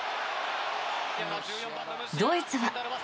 ドイツは。